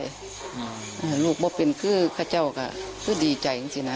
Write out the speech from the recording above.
อากาศยังเพิ่งเป็นคือคะเจ้าก็ดีใจอย่างนี้ค่ะ